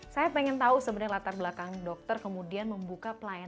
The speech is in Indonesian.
saya pengen tahu sebenarnya latar belakang dokter kemudian juga berada di sini